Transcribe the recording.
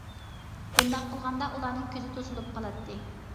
بۇنداق قىلغاندا ئۇلارنىڭ كۆزى توسۇلۇپ قالاتتى.